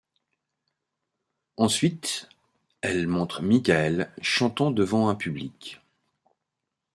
Ensuite, elle montre Michael chantant devant un public.